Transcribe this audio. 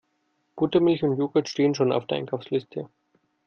Buttermilch und Jogurt stehen schon auf der Einkaufsliste.